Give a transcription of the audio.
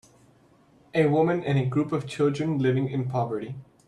A woman and a group of children living in poverty.